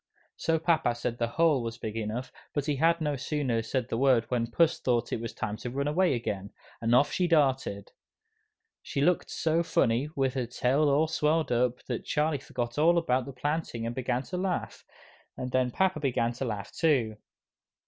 Soon papa said the hole was big enough, but he had no sooner said the word, when Puss thought it was time to run away again, and off she darted. She looked so funny, with her tail all swelled up, that Charlie forgot all about the planting and began to laugh, and then papa began to laugh too.